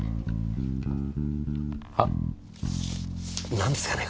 何ですかね？